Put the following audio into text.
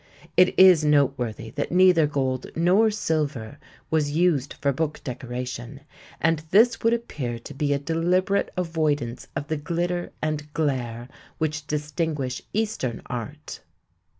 It is noteworthy that neither gold nor silver was used for book decoration, and this would appear to be a deliberate avoidance of the glitter and glare which distinguish eastern art.